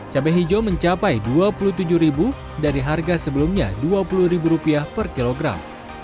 cabai hijau mencapai rp dua puluh tujuh dari harga sebelumnya rp dua puluh per kilogram